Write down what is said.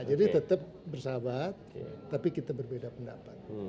jadi tetap bersahabat tapi kita berbeda pendapat